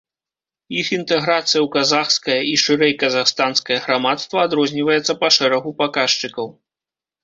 Іх інтэграцыя ў казахскае і, шырэй, казахстанскае грамадства адрозніваецца па шэрагу паказчыкаў.